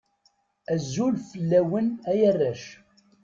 Azul fell-awen a arrac.